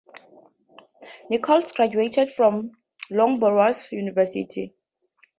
Nicholls graduated from Loughborough University.